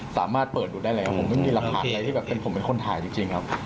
สามารถเปิดดูได้แล้วผมไม่มีหลักฐานอะไรที่แบบผมเป็นคนถ่ายจริงครับ